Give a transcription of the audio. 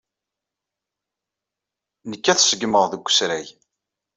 Nekk ad t-ṣeggmeɣ deg usrag.